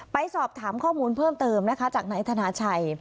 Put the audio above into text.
ไปสอบถามข้อมูลเพิ่มเติมนะคะจากนายธนาชัย